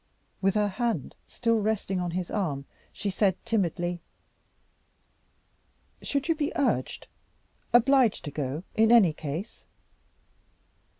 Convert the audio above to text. With her hand still resting on his arm, she said, timidly "Should you be urged obliged to go in any case?"